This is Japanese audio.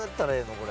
これ。